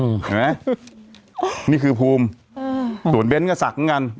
เห็นไหมนี่คือภูมิอืมส่วนเบ้นก็ศักดิ์เหมือนกัน